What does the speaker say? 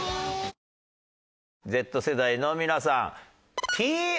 Ｚ世代の皆さん